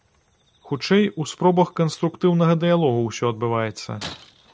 Хутчэй, у спробах канструктыўнага дыялогу ўсё адбываецца.